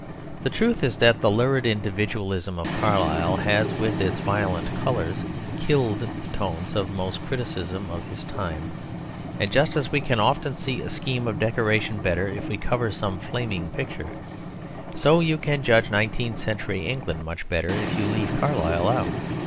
The truth is that the lurid individualism of Carlyle has, with its violent colours, "killed" the tones of most criticism of his time; and just as we can often see a scheme of decoration better if we cover some flaming picture, so you can judge nineteenth century England much better if you leave Carlyle out.